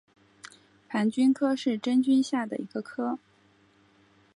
盘菌科是真菌下的一个科。